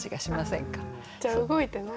じゃあ動いてない。